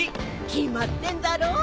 決まってんだろ。